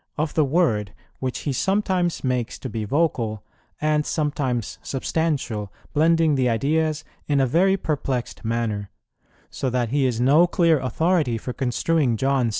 of the Word, which he sometimes makes to be vocal, and sometimes substantial, blending the ideas in a very perplexed manner; so that he is no clear authority for construing John vi.